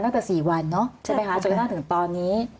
ตั้งแต่๔วันเนาะจนถึงตอนนี้